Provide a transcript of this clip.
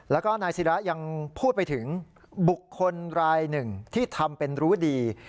แล้วก็นายศิระยังพูดไปถึงบุคคลรายหนึ่งที่ทำเป็นรู้ดี